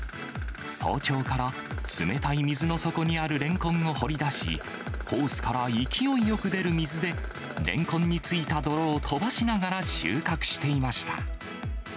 早朝から冷たい水の底にあるレンコンを掘り出し、ホースから勢いよく出る水で、レンコンについた泥を飛ばしながら収穫していました。